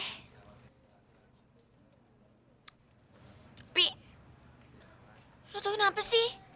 tapi lo tau kenapa sih